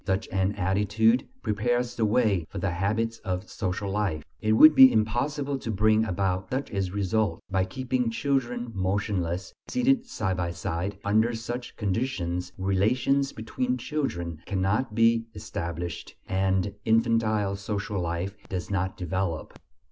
Such an attitude prepares the way for the habits of social life. It would be impossible to bring about such a result by keeping children motionless, seated side by side; under such conditions "relations between children" cannot be established, and infantile social life does not develop.